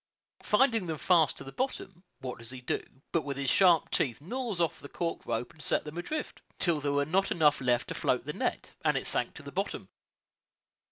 Finding them fast to the bottom, what does he do, but with his sharp teeth gnaws off the cork rope and set them adrift? till there were not enough left to float the net, and it sank to the bottom.